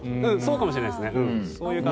そうかもしれないです。